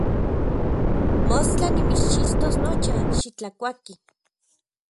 Mostla nimitschixtos nocha, xitlakuaki.